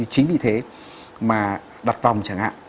chính vì thế mà đặt vòng chẳng hạn